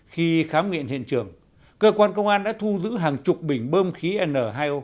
khi khám nghiệm hiện trường cơ quan công an đã thu giữ hàng chục bình bơm khí n hai o